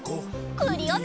クリオネ！